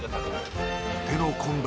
手の込んだ